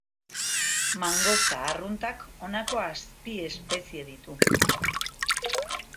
Mangosta arruntak honako azpiespezie ditu.